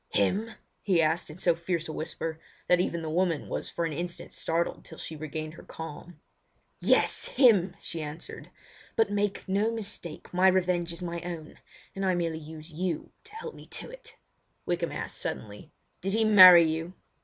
"Him?" he asked, in so fierce a whisper that even the woman was for an instant startled till she regained her calm. "Yes, him!" she answered. "But make no mistake, my revenge is my own; and I merely use you to help me to it." Wykham asked suddenly: "Did he marry you?"